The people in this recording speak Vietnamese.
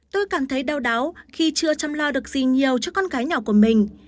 tôi cảm thấy đau đáu khi chưa chăm lo được gì nhiều cho con gái nhỏ của mình